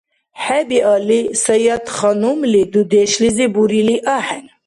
ХӀебиалли, Саятханумли дудешлизи бурили ахӀен.